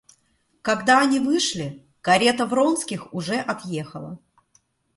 Когда они вышли, карета Вронских уже отъехала.